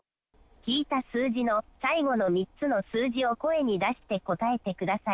聞いた数字の最後の３つの数字を声に出して答えてください。